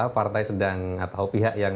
partai sedang atau pihak yang